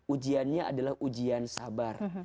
ujiannya adalah ujian sabar